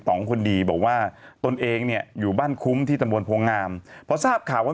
ต้องว่าตนเองเนี่ยอยู่บ้านคุ้มที่ตะมวลภูนินาพอทราบข่าวว่า